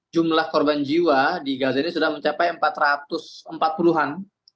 jumlah korban jiwa di gaza ini sudah mencapai empat ratus empat puluh an